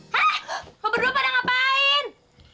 hah lo berdua pada ngapain